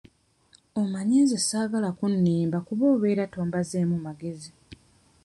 Omanyi nze saagala kunnimba kuba obeera tombazeemu magezi.